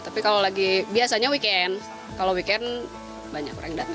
tapi kalau lagi biasanya weekend kalau weekend banyak orang yang datang